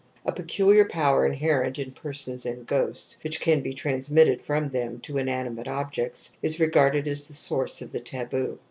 A pecuUar power inherent in persons and ghosts, which can be transmitted from them to inanimate objects is regarded as the source of the taboo.